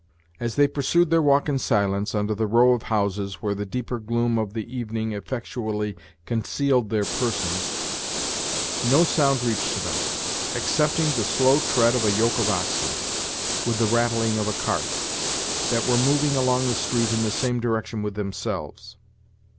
As they pursued their walk in silence, under the row of houses, where the deeper gloom of the evening effectually concealed their persons, no sound reached them, excepting the slow tread of a yoke of oxen, with the rattling of a cart, that were moving along the street in the same direction with themselves.